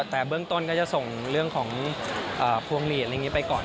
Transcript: แต่เบื้องต้นก็จะส่งเรื่องของพวงหลีดไปก่อน